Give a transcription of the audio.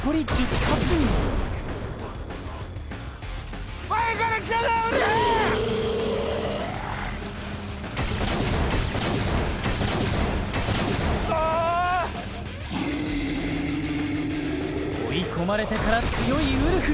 クソーッ追い込まれてから強いウルフ！